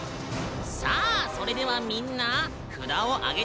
さあそれではみんな札を挙げてもらうよ。